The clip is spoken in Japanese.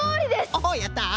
おおやった。